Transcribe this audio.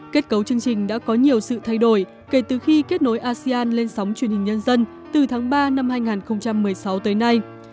kết cấu chương trình đã có nhiều sự thay đổi kể từ khi kết nối asean lên sóng truyền hình nhân dân từ tháng ba năm hai nghìn một mươi sáu tới nay